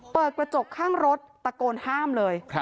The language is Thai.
เปิดกระจกข้างรถตะโกนห้ามเลย